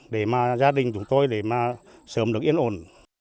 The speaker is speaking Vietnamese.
để mà gia đình chúng tôi sớm được yên ổn